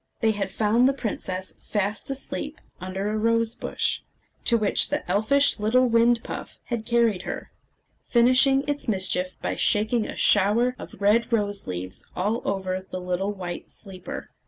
They had found the princess fast asleep under a rose bush, to which the elfish little wind puff had carried her, finishing its mischief by shaking a shower of red rose leaves all over the little white sleeper.